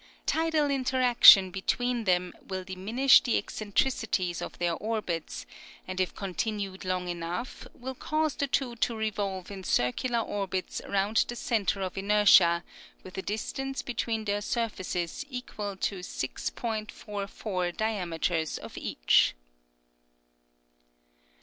Tidal interaction between them will diminish the eccentricities of their orbits, ahd if continued long enough will cause the two to revolve in circular orbits round the centre of inertia with a distance between their surfaces equal to 6.44 diameters of each.